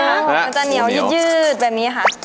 มันจะเหนียวยืดแบบนี้ค่ะ